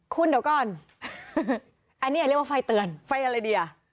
คุณเดี๋ยวก่อนอันนี้อย่าเรียกว่าไฟเตือนไฟอะไรดีอ่ะ